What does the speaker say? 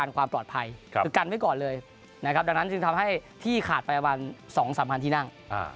ความปลอดภัยคือกันไว้ก่อนเลยนะครับดังนั้นจึงทำให้ที่ขาดไปประมาณ๒๓พันที่นั่ง